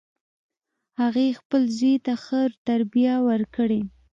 هغې خپل زوی ته ښه تربیه ورکړي